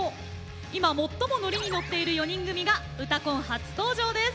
今、最も乗りに乗っている４人組が「うたコン」初登場です。